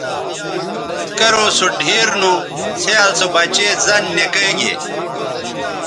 کرو سو ڈِھیر نو څھیال سو بچے زَن نِکئے گے